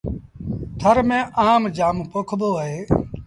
ٿر ميݩ آم جآم پوکبو اهي۔